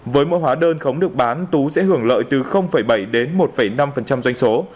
với mỗi hóa đơn khống được bán tú sẽ hưởng lợi từ bảy đến một năm doanh số